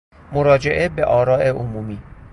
مراجمه بآراء عمومی